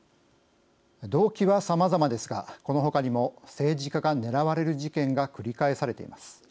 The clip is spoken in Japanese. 動機は、さまざまですがこのほかにも政治家が狙われる事件が繰り返されています。